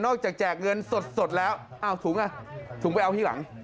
จากแจกเงินสดแล้วอ้าวถุงอ่ะถุงไปเอาที่หลัง